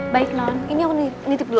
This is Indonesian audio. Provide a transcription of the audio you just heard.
baik non ini aku nitip dulu